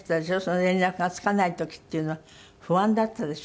連絡がつかない時っていうのは不安だったでしょ？